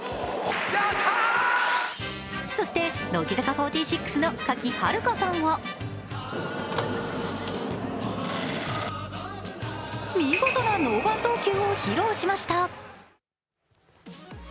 そして乃木坂４６の賀喜遥香さんは見事なノーバン投球を披露しました。